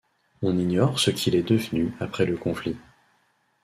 On ignore ce qu'il est devenu après le conflit.